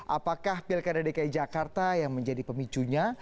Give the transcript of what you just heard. apakah pilkada dki jakarta yang menjadi pemicunya